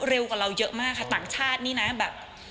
เร็วกว่าเราเยอะมากค่ะต่างชาตินี่นะแบบ